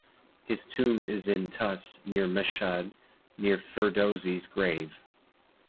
His tomb is in Tus near Mashhad, near Ferdowsi's grave.